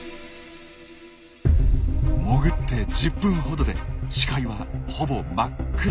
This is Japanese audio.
潜って１０分ほどで視界はほぼ真っ暗。